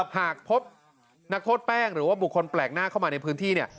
หากพบนักโทษแป้งหรือว่าบุคคลแปลกหน้าเข้ามาในพื้นที่เนี่ย